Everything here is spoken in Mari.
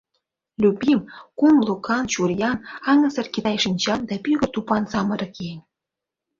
Любим — кум лукан чуриян, аҥысыр китай шинчан да пӱгыр тупан самырык еҥ.